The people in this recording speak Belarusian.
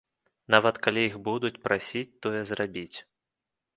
Нават калі іх будуць прасіць тое зрабіць.